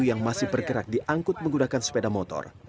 yang masih bergerak diangkut menggunakan sepeda motor